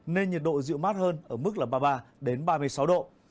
nên nhiệt độ dịu mát hơn ở mức là ba mươi ba ba mươi sáu độ